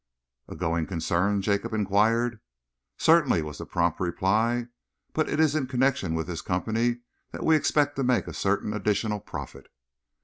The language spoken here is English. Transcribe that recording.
"A going concern?" Jacob enquired. "Certainly!" was the prompt reply. "But it is in connection with this Company that we expect to make a certain additional profit."